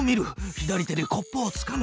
左手でコップをつかむ。